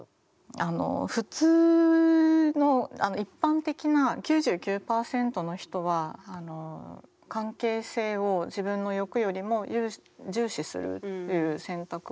あの普通の一般的な９９％の人は関係性を自分の欲よりも重視するっていう選択をするんです。